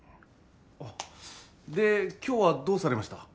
ああで今日はどうされました？